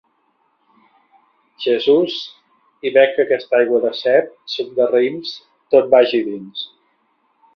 Jesús, hi bec aquesta aigua de cep, suc de raïms, tot vagi dins.